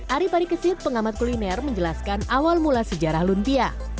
ari parikesit pengamat kuliner menjelaskan awal mula sejarah lumpia